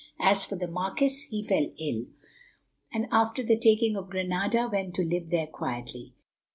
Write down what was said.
As for the marquis, he fell ill, and after the taking of Granada went to live there quietly.